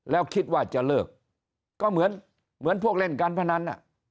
แล้วคิดว่าจะเลิกก็เหมือนพวกเล่นการพนัน